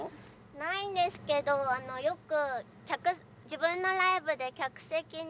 ないんですけどよく自分のライブで客席にダイブしてたんで。